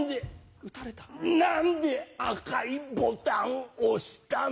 何で何で赤いボタン押したの？